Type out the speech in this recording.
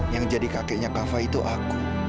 yang jadi kakeknya kava itu aku